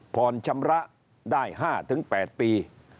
ผ่อนชำระได้๕๘ปี